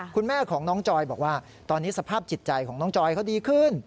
คุณแม่ของน้องจอยบอกว่าตอนนี้สภาพจิตใจของน้องจอยเขาดีขึ้น